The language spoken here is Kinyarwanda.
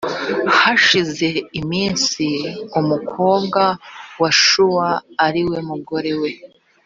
hashize iminsi umukobwa wa shuwa ari we mugore